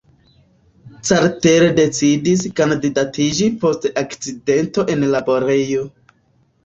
Carter decidis kandidatiĝi post akcidento en laborejo.